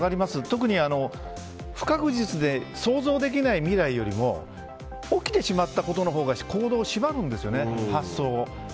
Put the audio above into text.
特に不確実で想像できない未来よりも起きてしまったことのほうが行動を縛るんですよね、発想を。